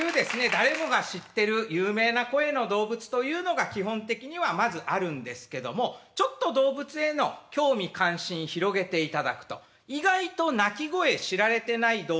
誰もが知ってる有名な声の動物というのが基本的にはまずあるんですけどもちょっと動物への興味関心広げていただくと意外と鳴き声知られてない動物というのが出てきます。